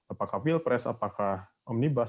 apakah pilpres apakah omnibus